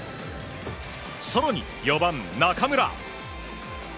更に４番、中村。